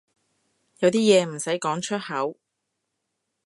有啲嘢唔使講出口